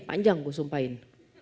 panjang gue sumpahin